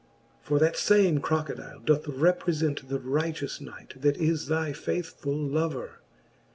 For that fame Crocodile doth reprefent The righteous knight, that is thy faithfull lover.